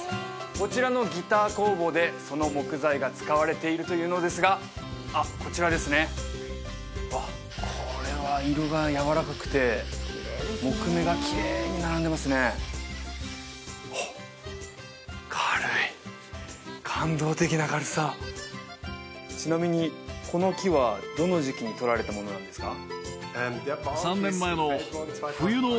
こちらのギター工房でその木材が使われているというのですがあっこちらですねあっこれは色がやわらかくて木目がきれいに並んでますねおっ軽い感動的な軽さちなみにこの木はどの時期に採られたものなんですか？